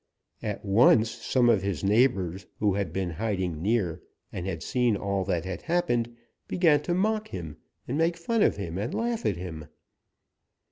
At once some of his neighbors who had been hiding near and had seen all that had happened began to mock him and make fun of him and laugh at him.